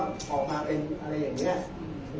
แต่ว่าไม่มีปรากฏว่าถ้าเกิดคนให้ยาที่๓๑